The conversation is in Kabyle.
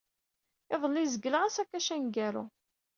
Iḍelli, zegleɣ asakac aneggaru.